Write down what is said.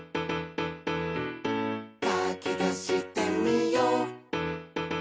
「かきたしてみよう」